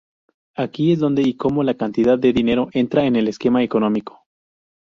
Aquí es donde, y cómo, la cantidad de dinero entra en el esquema económico.